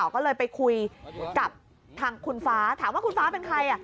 ก็เลยไปคุยกับทางคุณฟ้าถามว่าคุณฟ้าเป็นใคร